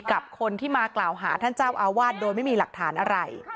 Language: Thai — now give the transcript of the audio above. กับคนที่มากล่าวหาท่านเจ้าอาวาสโดยไม่มีหลักฐานอะไร